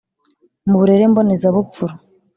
mu burere mbonezabupfura